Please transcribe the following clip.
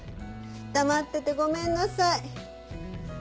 黙っててごめんなさい。